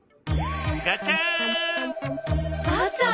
ガチャン！